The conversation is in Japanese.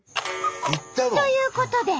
ということで。